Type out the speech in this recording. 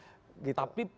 tapi kalau lihat ke arah itu